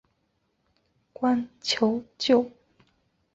国王黎维祁叩关求救。